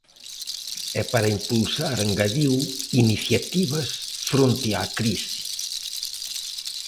E para impulsar, engadiu, iniciativas fronte a crise.